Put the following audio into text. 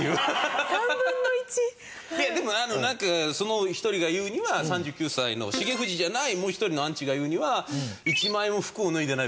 でもあのなんかその一人が言うには３９歳のシゲフジじゃないもう一人のアンチが言うには。